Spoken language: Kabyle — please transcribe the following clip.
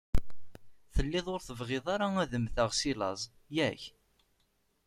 Telliḍ ur tebɣiḍ ara ad mmteɣ si laẓ, yak?